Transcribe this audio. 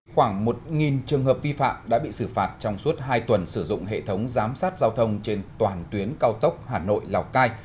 khoảng một trường hợp vi phạm đã bị xử phạt trong suốt hai tuần sử dụng hệ thống giám sát giao thông trên toàn tuyến cao tốc hà nội lào cai